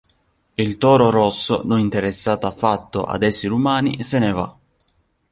Il toro rosso, non interessato affatto ad esseri umani, se ne va.